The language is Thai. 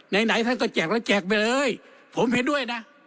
ไหนไหนท่านก็แจกแล้วแจกไปเลยผมเห็นด้วยนะ